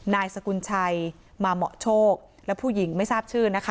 นายสกุลชัยมาเหมาะโชคและผู้หญิงไม่ทราบชื่อนะคะ